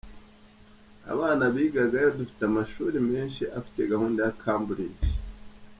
Abana bigaga yo ,dufite amashuri menshi afite gahunda ya Cambridge.